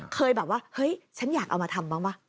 เคยแบบว่าเฮ้ยฉันอยากเอามาทำบ้างป่ะ